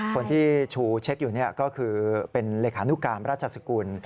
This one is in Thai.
คนที่ชูเช็คอยู่ก็คือเป็นเลขานุการราชสกุล